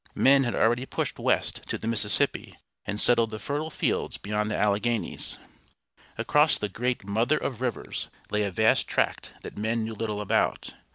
Men had already pushed west to the Mississippi, and settled the fertile fields beyond the Alleghanies. Across the great "Mother of Rivers" lay a vast tract that men knew little about.